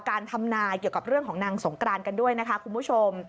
ทำนายเกี่ยวกับเรื่องของนางสงกรานกันด้วยนะคะคุณผู้ชม